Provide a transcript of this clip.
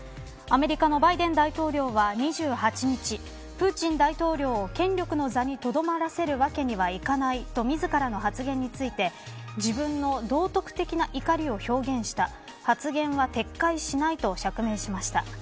アメリカのバイデン大統領は２８日プーチン大統領を権力の座にとどまらせるわけにはいかないと自らの発言について自分の道徳的な怒りを表現した。